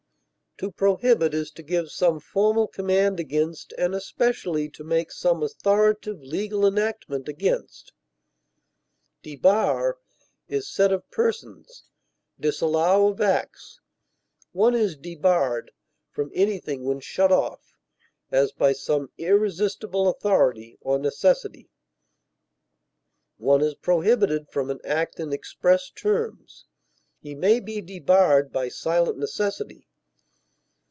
To prohibit is to give some formal command against, and especially to make some authoritative legal enactment against. Debar is said of persons, disallow of acts; one is debarred from anything when shut off, as by some irresistible authority or necessity; one is prohibited from an act in express terms; he may be debarred by silent necessity.